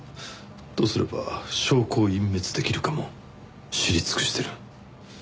どうすれば証拠を隠滅できるかも知り尽くしてる。